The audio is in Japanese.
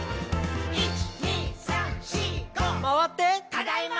「ただいま！」